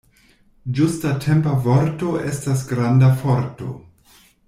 Ĝustatempa vorto estas granda forto.